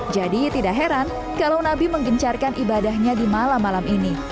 jadi tidak heran kalau nabi menggencarkan ibadahnya di malam malam ini